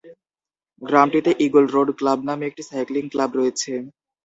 গ্রামটিতে Eagle Road Club নামে একটি cycling club রয়েছে।